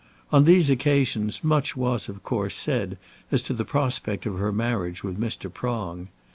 On these occasions much was, of course, said as to the prospect of her marriage with Mr. Prong.